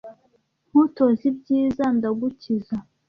Nkutoza ibyiza ndagukiza